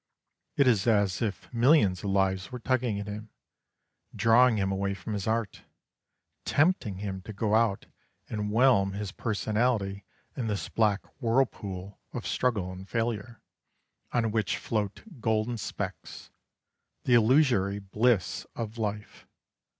It is as if millions of lives were tugging at him, drawing him away from his art, tempting him to go out and whelm his personality in this black whirlpool of struggle and failure, on which float golden specks the illusory bliss of life.